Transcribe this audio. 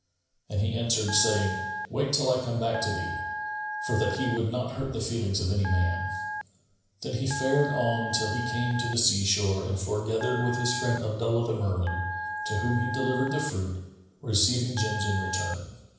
And he answered, saying, "Wait till I come back to thee," for that he would not hurt the feelings of any man. Then he fared on till he came to the sea shore and foregathered with his friend Abdullah the Merman, to whom he delivered the fruit, receiving gems in return.